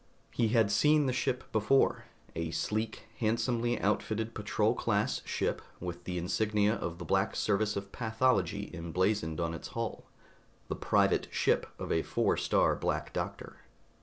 He had seen the ship before a sleek, handsomely outfitted patrol class ship with the insignia of the Black Service of Pathology emblazoned on its hull, the private ship of a Four star Black Doctor.